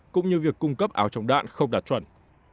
cũng như việc cung cấp áo chống đạn không đạt chuẩn